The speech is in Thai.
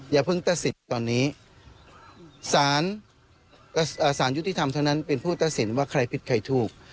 อย่าเพิ่งตัดสิทธิ์ตอนนี้สารยุติธรรมเท่านั้นเป็นผู้ตัดสินว่าใครผิดใครถูก